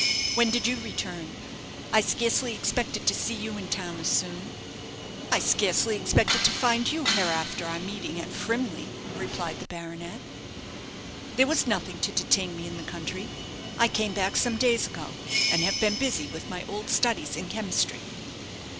When did you return? I scarcely expected to see you in town as soon." "I scarcely expected to find you hereafter our meeting at Frimley," replied the baronet. "There was nothing to detain me in the country. I came back some days ago, and have been busy with my old studios in chemistry."